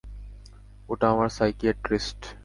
ওটা আমার সাইকিয়াট্রিস্ট।